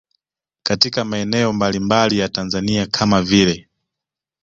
Katika maeneo mbalimbali ya Tanzania kama vile